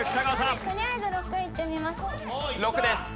とりあえず６いってみます。